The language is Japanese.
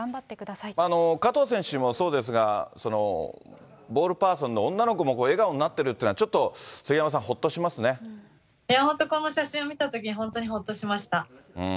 加藤選手もそうですが、ボールパーソンの女の子も笑顔になってるというのは、ちょっと杉本当、この写真を見たときに本当にほっとしました。